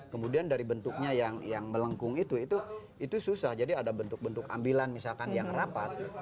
kemudian dari bentuknya yang melengkung itu itu susah jadi ada bentuk bentuk ambilan misalkan yang rapat